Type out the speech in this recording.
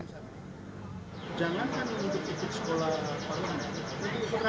jangan kan untuk ikut sekolah